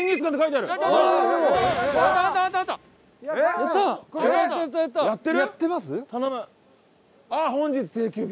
あっ本日定休日。